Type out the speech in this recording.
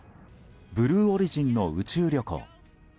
ブルー・オリジンの宇宙旅行。